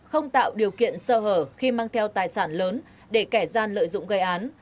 không tạo điều kiện sơ hở khi mang theo tài sản lớn để kẻ gian lợi dụng gây án